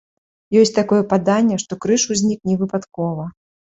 Ёсць такое паданне, што крыж узнік не выпадкова.